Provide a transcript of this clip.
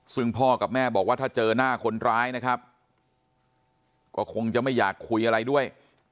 ซึ่งพ่อกับแม่บอกว่าถ้าเจอหน้าคนร้ายนะครับก็คงจะไม่อยากคุยอะไรด้วย